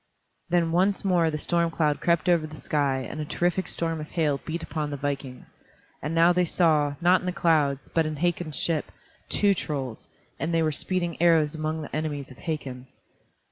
Then once more the storm cloud crept over the sky and a terrific storm of hail beat upon the vikings, and now they saw, not in the clouds, but in Hakon's ship, two trolls, and they were speeding arrows among the enemies of Hakon.